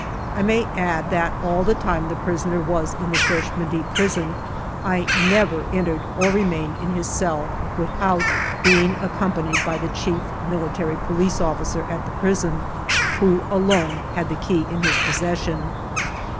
I may add that all the time the prisoner was in the Cherche Midi Prison I never entered or remained in his cell without being accompanied by the chief mihtary police officer at the prison, who alone had the key in his possession.